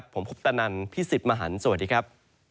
ผมพุทธนันทร์พี่สิทธิ์มหันทร์สวัสดีครับ